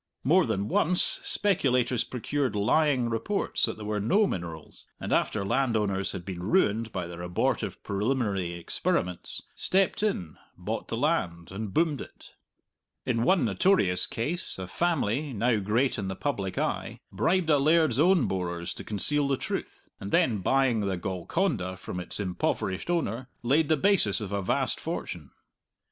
More than once, speculators procured lying reports that there were no minerals, and after landowners had been ruined by their abortive preliminary experiments, stepped in, bought the land, and boomed it. In one notorious case a family, now great in the public eye, bribed a laird's own borers to conceal the truth, and then buying the Golconda from its impoverished owner, laid the basis of a vast fortune.